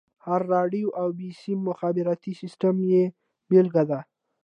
هره راډيو او بيسيم مخابراتي سيسټم يې بېلګه ده.